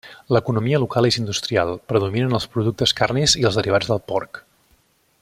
L'economia local és industrial, predominen els productes carnis i els derivats del porc.